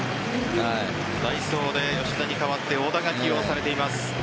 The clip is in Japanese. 代走で吉田に代わって小田が起用されています。